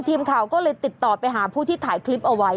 ทีมข่าวก็เลยติดต่อไปหาผู้ที่ถ่ายคลิปเอาไว้